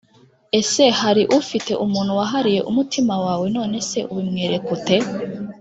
ese hari ufite umuntu wahariye umutima wawe? nonese ubimwereka ute?